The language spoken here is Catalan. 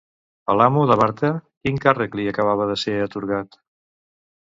A l'amo d'Abarta, quin càrrec li acabava de ser atorgat?